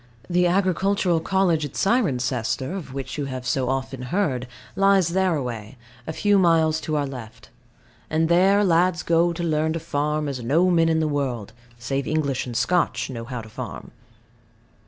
The Agricultural College at Cirencester, of which you have so often heard, lies thereaway, a few miles to our left; and there lads go to learn to farm as no men in the world, save English and Scotch, know how to farm.